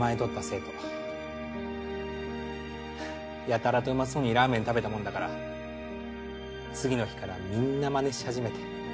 やたらとうまそうにラーメン食べたもんだから次の日からみんなまねし始めて。